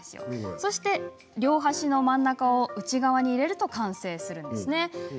そして、両端の真ん中を内側に入れると完成です。